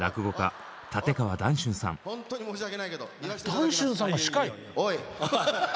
談春さんが司会？